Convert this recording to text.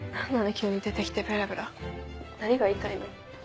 急に出てきてベラベラ何が言いたいの？